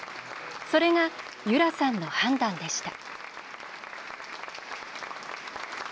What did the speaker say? それが、由空さんの判断でした。